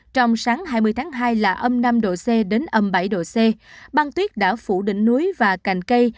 trong sáng hai mươi tháng hai là âm năm độ c đến âm bảy độ c bang tuyết đã phủ đỉnh núi và cành cây